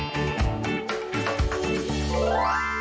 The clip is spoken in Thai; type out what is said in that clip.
โปรดติดตามตอนต่อไป